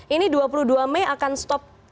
ini dua puluh dua mei akan stop